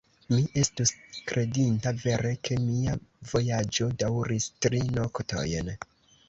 Mi estus kredinta, vere, ke mia vojaĝo daŭris tri noktojn.